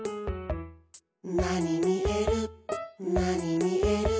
「なにみえるなにみえる」